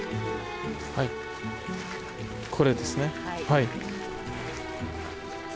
はいこれですね。